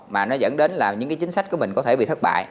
mà nó dẫn đến là những cái chính sách của mình có thể bị thất bại